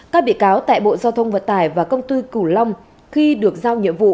các bị cáo tại bộ giao thông vận tải và công ty cửu long khi được giao nhiệm vụ